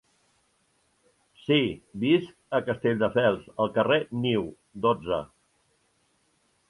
Sí, visc a Castelldefels al carrer niu, dotze.